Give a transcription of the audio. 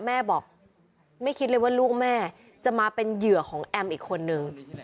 แม่บอกไม่คิดเลยว่าลูกแม่จะมาเป็นเหยื่อของแอมอีกคนนึง